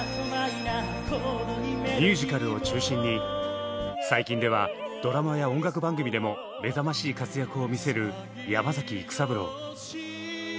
ミュージカルを中心に最近ではドラマや音楽番組でも目覚ましい活躍を見せる山崎育三郎。